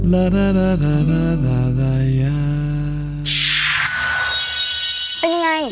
เป็นยังไง